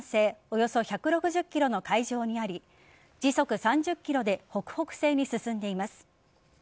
およそ１６０ｋｍの海上にあり時速３０キロで北北西に進んでいます。